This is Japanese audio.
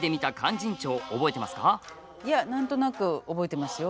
いや何となく覚えてますよ。